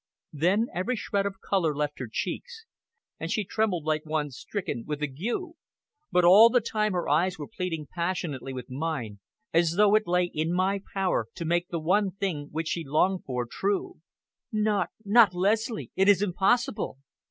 Then every shred of color left her cheeks, and she trembled like one stricken with an ague. But all the time her eyes were pleading passionately with mine, as though it lay in my power to make the thing which she longed for true. "Not not Leslie! It is impossible."